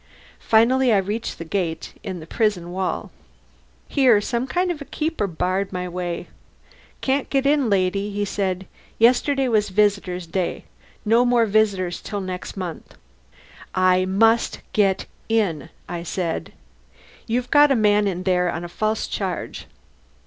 Finally I reached the gate in the prison wall. Here some kind of a keeper barred my way. "Can't get in, lady," he said. "Yesterday was visitors' day. No more visitors till next month." "I must get in," I said. "You've got a man in there on a false charge."